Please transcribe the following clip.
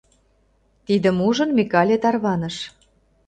Тидым ужын, Микале тарваныш.